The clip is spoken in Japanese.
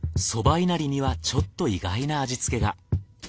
いなりにはちょっと意外な味付けが。